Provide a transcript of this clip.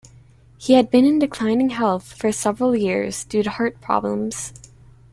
He had been in declining health for several years due to heart problems.